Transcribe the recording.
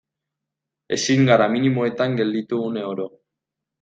Ezin gara minimoetan gelditu une oro.